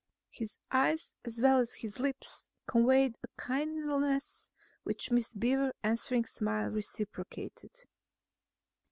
His eyes as well as his lips conveyed a kindliness which Miss Beaver's answering smile reciprocated.